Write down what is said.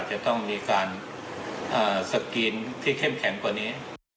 จะต้องมีการสกรีนที่เข้มแข็งกว่านี้